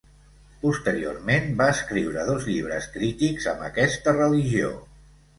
Posteriorment va escriure dos llibres crítics amb aquesta religió.